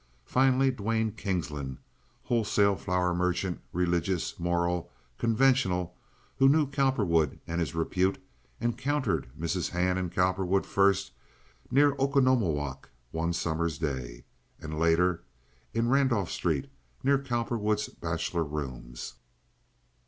Finally, Duane Kingsland, wholesale flour merchant, religious, moral, conventional, who knew Cowperwood and his repute, encountered Mrs. Hand and Cowperwood first near Oconomowoc one summer's day, and later in Randolph Street, near Cowperwood's bachelor rooms.